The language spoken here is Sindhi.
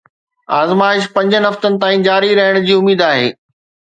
آزمائش پنجن هفتن تائين جاري رهڻ جي اميد آهي